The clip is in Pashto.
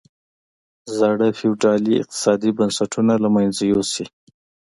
زاړه فیوډالي اقتصادي بنسټونه له منځه یوسي.